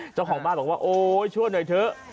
เจ้าของบ้านบอกว่าโอ๊ยช่วยหน่อยเถอะ